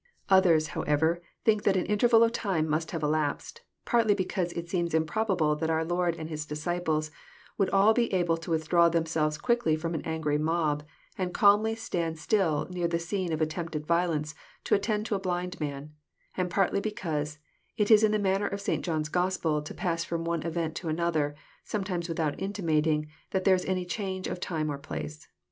— Others, however, think that an in terval of time must have elapsed, partly because it seems improbable that our Lord and His disciples would all be able to withdraw themselves quietly from an angry mob, and calmly stand still near the scene of attempted violence to attend to a blind man, and partly because it is the manner of St. John's Gospel to pass from one event to another, sometimes without intimating that there is any change of time or place.